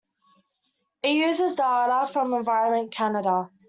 It uses data from Environment Canada.